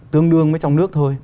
tương đương với trong nước thôi